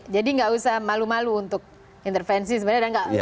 jadi tidak usah malu malu untuk intervensi sebenarnya